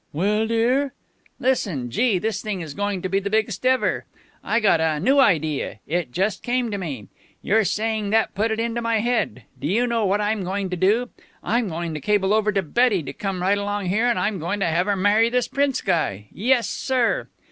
_" "Well, dear?" "Listen. Gee, this thing is going to be the biggest ever. I gotta new idea. It just came to me. Your saying that put it into my head. Do you know what I'm going to do? I'm going to cable over to Betty to come right along here, and I'm going to have her marry this prince guy. Yes, sir!"